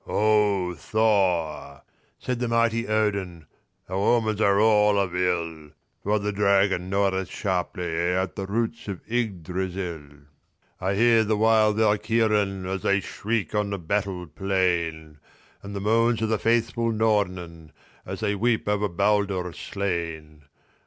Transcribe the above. " Ho, Thor !" said the mighty Odin, " our omens are all of ill, For the dragon gnaweth sharply at the roots of Yggdrasill ; ~O * I hear the wild Valkyrien, as they shriek on the battle plain, And the moans of the faithful Xornen, as they weep over Baldur slain.